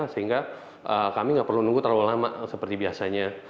sehingga kami nggak perlu nunggu terlalu lama seperti biasanya